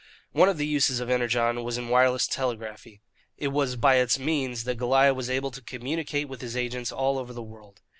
One of the uses of Energon was in wireless telegraphy. It was by its means that Goliah was able to communicate with his agents all over the world.